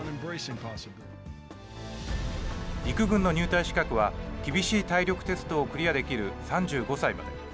陸軍の入隊資格は、厳しい体力テストをクリアできる３５歳まで。